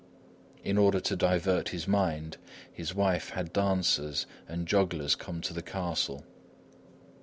In order to divert his mind, his wife had dancers and jugglers come to the castle.